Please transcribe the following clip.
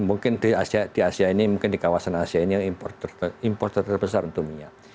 mungkin di asia ini mungkin di kawasan asia ini yang impor terbesar untuk minyak